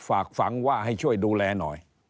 ฝากฝังว่าให้ช่วยดูแลหน่อย